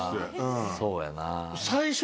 そうやな。